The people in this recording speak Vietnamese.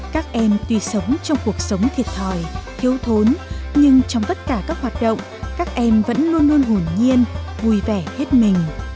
các em tuy sống trong cuộc sống thiệt thòi thiếu thốn nhưng trong tất cả các hoạt động các em vẫn luôn luôn hùn nhiên vui vẻ hết mình